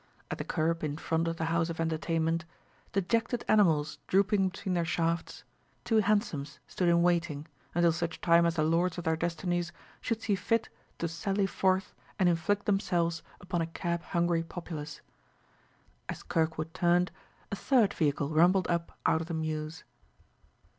At the curb in front of the house of entertainment, dejected animals drooping between their shafts, two hansoms stood in waiting, until such time as the lords of their destinies should see fit to sally forth and inflict themselves upon a cab hungry populace. As Kirkwood turned, a third vehicle rumbled up out of the mews.